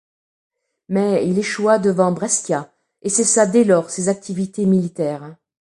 Mais il échoua devant Brescia et cessa dès lors ses activités militaires.